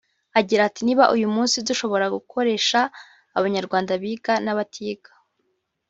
Agira ati “Niba uyu munsi dushobora gukoresha Abanyarwanda biga n’abatiga